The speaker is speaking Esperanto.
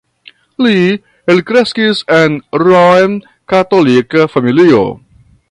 Li elkreskis en rom-katolika familio.